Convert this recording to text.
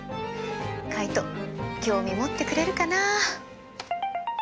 カイト興味持ってくれるかな？